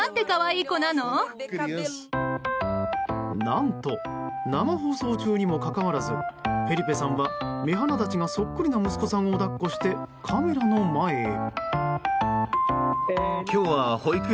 何と、生放送中にもかかわらずフェリペさんは目鼻立ちがそっくりな息子さんを抱っこしてカメラの前へ。